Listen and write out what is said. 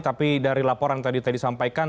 tapi dari laporan yang tadi disampaikan